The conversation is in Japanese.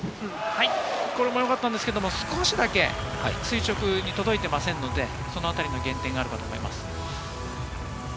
これもよかったんですけれども、少し垂直に届いていませんので、そのあたりの減点があるかと思います。